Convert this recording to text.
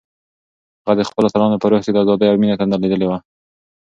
هغه د خپلو اتلانو په روح کې د ازادۍ او مینې تنده لیدلې وه.